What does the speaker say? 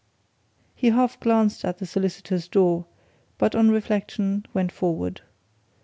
He half glanced at the solicitor's door but on reflection went forward.